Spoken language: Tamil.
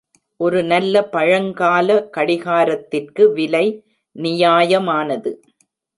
ஒரு நல்ல பழங்கால கடிகாரத்திற்கு விலை நியாயமானது.